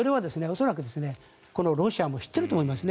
そのことはロシアも知っていると思います。